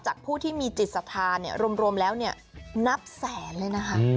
จากผู้ที่มีจิตสาธารณ์รวมแล้วนับแสนเลยนะคะ